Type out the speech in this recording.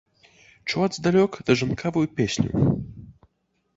Чуваць здалёк дажынкавую песню.